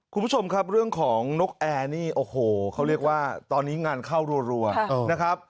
คุณผู้ชมครับเรื่องของนกแอร์นี่โอ้โหเขาเรียกว่าตอนนี้งานเข้ารัวนะครับ